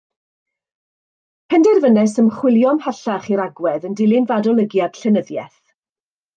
Penderfynais ymchwilio ymhellach i'r agwedd yn dilyn fy adolygiad llenyddiaeth